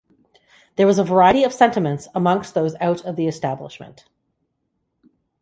There was a variety of sentiments amongst those out of the establishment.